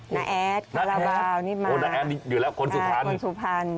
นาแอดคาลาบาวนี่มาคุณสุพันธ์อยู่แล้วค่ะคุณสุพันธ์